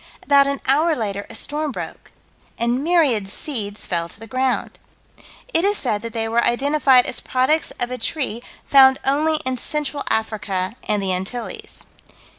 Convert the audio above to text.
About an hour later a storm broke, and myriad seeds fell to the ground. It is said that they were identified as products of a tree found only in Central Africa and the Antilles.